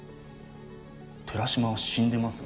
寺島は死んでますが。